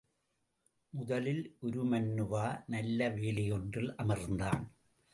முதலில் உருமண்ணுவா நல்ல வேலையொன்றில் அமர்ந்தான்.